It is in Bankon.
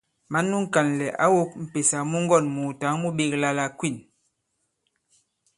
Mǎn nu ŋ̀kànlɛ̀ ǎ wōk m̀pèsà mu ŋgɔ̂n-mùùtǎŋ nu ɓēkla la Kwîn.